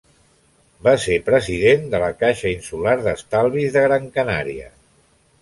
Va ser President de la Caixa Insular d'Estalvis de Gran Canària.